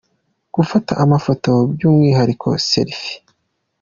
gufata amafoto by’umwihariko selfie.